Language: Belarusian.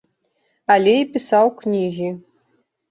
Але і пісаў кнігі.